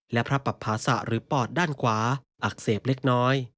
และพระปับภาษะหรือปอดด้านขวาอักเสบเล็กน้อย